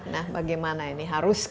nah bagaimana ini harus